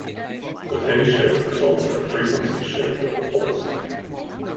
The phase shift results in a frequency shift of the pulse.